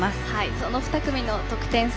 その２組の得点差